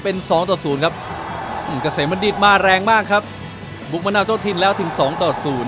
เป็น๒ต่อ๐ครับเกษมณฤทธิ์มาแรงมากครับบุคมณฤทธิ์แล้วถึง๒ต่อ๐